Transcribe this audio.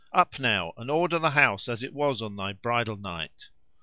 Up now, and order the house as it was on thy bridal night."